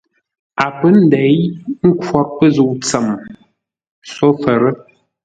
A pə́ nděi ə́ nkhwor pə́ zə̂u tsəm sófə́rə́.